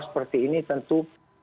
seperti ini tentu